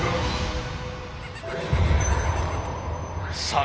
さあ